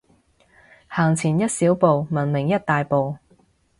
行前一小步，文明一大步